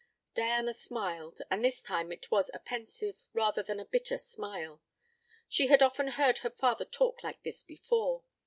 Diana smiled, and this time it was a pensive rather than a bitter smile. She had often heard her father talk like this before.